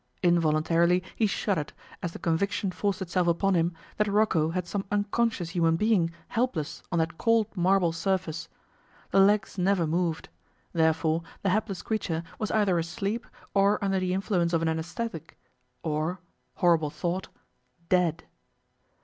Involuntarily he shuddered, as the conviction forced itself upon him that Rocco had some unconscious human being helpless on that cold marble surface. The legs never moved. Therefore, the hapless creature was either asleep or under the influence of an anaesthetic or (horrible thought!) dead.